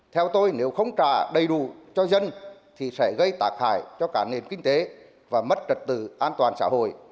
theo tôi nếu không trả đầy đủ cho dân thì sẽ gây tác hại cho cả nền kinh tế và mất trật tự an toàn xã hội